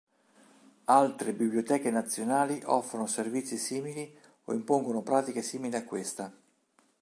Altre biblioteche nazionali offrono servizi simili o impongono pratiche simili a questa.